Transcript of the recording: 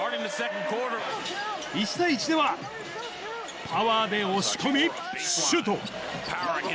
１対１では、パワーで押し込み、シュート。